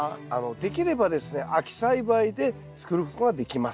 できればですね秋栽培で作ることができます。